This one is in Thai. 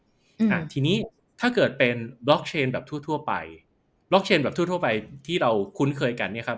อืมอ่าทีนี้ถ้าเกิดเป็นแบบทั่วทั่วไปแบบทั่วทั่วไปที่เราคุ้นเคยกันเนี้ยครับ